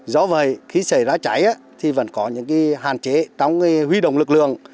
do vậy khi xảy ra cháy thì vẫn có những hạn chế trong huy động lực lượng